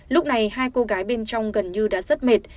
lúc này hai cô gái bên trong gần như đã rất mệt